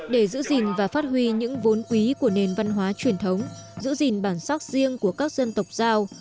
để giữ gìn và phát huy những vốn quý của nền văn hóa truyền thống giữ gìn bản sắc riêng của các dân tộc giao